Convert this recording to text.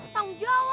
tanggung jawab dong